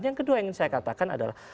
yang kedua ingin saya katakan adalah